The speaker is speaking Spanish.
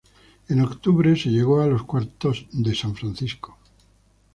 En octubre, se llegó a los cuartos de San Francisco.